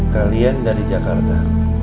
kalian dari jakarta